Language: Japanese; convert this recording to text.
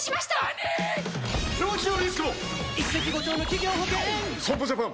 損保ジャパン